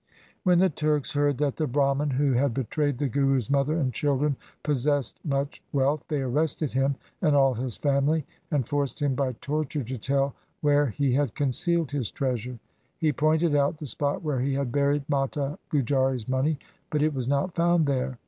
When the Turks heard that the Brahman who had betrayed the Guru's mother and children possessed much wealth, they arrested him and all his family, and forced him by torture to tell where he had concealed his treasure. He pointed out the spot where he had buried Mata Gujari's money, but it was not found there.